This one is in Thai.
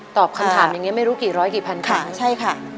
ตอบคำถามอย่างนี้ไม่รู้กี่ร้อยกี่พันครั้งใช่ค่ะ